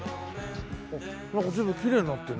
なんか随分きれいになってる。